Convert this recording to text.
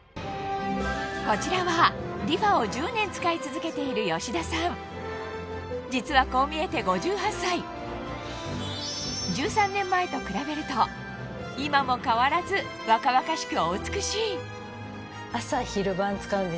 こちらはリファを１０年使い続けている吉田さん実はこう見えて５８歳１３年前と比べると今も変わらず若々しく